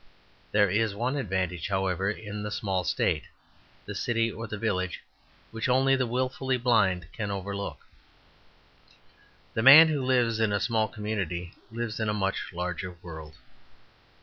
There is one advantage, however, in the small state, the city, or the village, which only the wilfully blind can overlook. The man who lives in a small community lives in a much larger world.